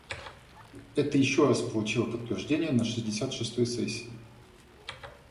Это еще раз получило подтверждение на шестьдесят шестой сессии.